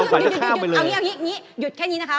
หยุดหยุดแค่นี้นะคะ